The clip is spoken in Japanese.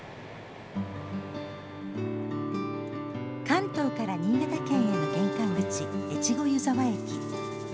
関東から新潟県への玄関口越後湯沢駅。